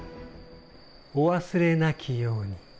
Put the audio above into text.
お忘れなきように。